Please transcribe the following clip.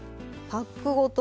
パックごと？